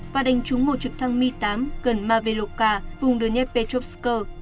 và đánh trúng một trực thăng mi tám gần maveloka vùng đường nhepetrovsk